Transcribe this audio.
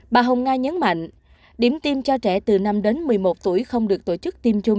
bà hồng nga nhấn mạnh điểm tiêm cho trẻ từ năm đến một mươi một tuổi không được tổ chức tiêm chung